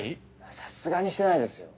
さすがにしてないですよ。